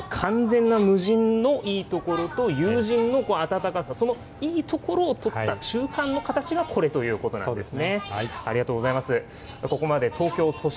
完全な無人のいいところと、有人の温かさ、そのいいところを取った、中間の形がこれということなんですね。